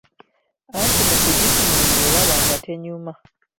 Anti mu kugitunuulira olaba nga tenyuma.